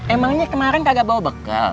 emangnya kemarin kagak bau bekal